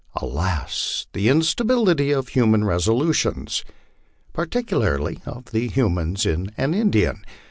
Alas, the instability of human resolutions particularly of the human in an Indian!